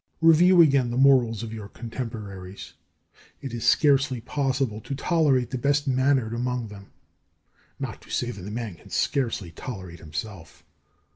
Review again the morals of your contemporaries: it is scarcely possible to tolerate the best mannered among them; not to say that a man can scarcely tolerate himself.